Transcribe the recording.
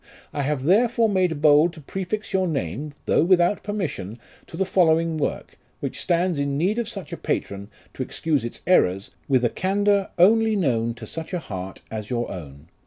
I have there fore made bold to prefix your name, though without permission, to the following work, which stands in need of such a patron, to excuse its errors, with a candour only known to such a heart as your own.